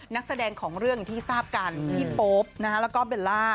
นักแสดงของเรื่องอย่างที่ทราบกันพี่โป๊ปแล้วก็เบลล่า